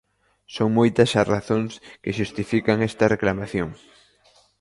Son moitas as razóns que xustifican esta reclamación.